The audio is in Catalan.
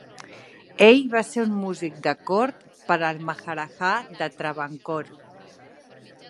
Ell va ser un músic de cort per al Maharajah de Travancore.